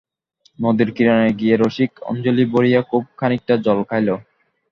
নদীর কিনারায় গিয়া রসিক অঞ্জলি ভরিয়া খুব খানিকটা জল খাইল।